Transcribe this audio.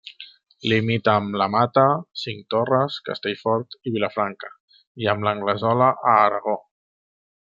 Limita amb la Mata, Cinctorres, Castellfort i Vilafranca, i amb l'Anglesola, a Aragó.